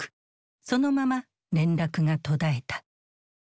そのまま連絡が途絶えた。